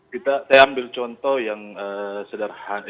kita saya ambil contoh yang terjadi di lebak banten itu adalah